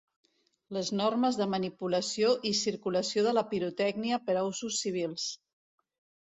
Les normes de manipulació i circulació de la pirotècnia per a usos civils.